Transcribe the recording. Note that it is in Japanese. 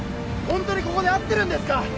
ホントにここで合ってるんですか？